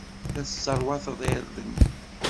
La tesserwateḍ irden.